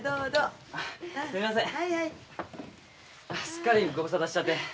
すっかりご無沙汰しちゃって。